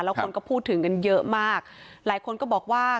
แล้วคนก็พูดถึงกันเยอะมากหลายคนก็บอกว่า